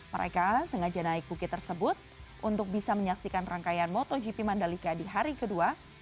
mereka sengaja naik bukit tersebut untuk bisa menyaksikan rangkaian motogp mandalika di hari kedua